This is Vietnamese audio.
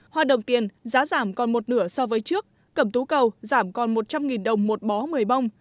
hoa đồng tiền giá giảm còn một nửa so với trước cẩm tú cầu giảm còn một trăm linh đồng một bó một mươi bông